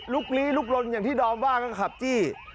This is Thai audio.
ลี้ลุกลนอย่างที่ดอมว่าก็ขับจี้